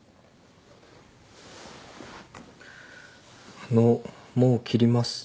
あのもう切ります。